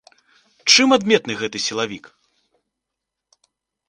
Чым адметны гэты сілавік?